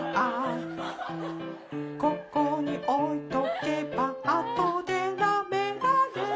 「ここに置いとけば後でなめられる」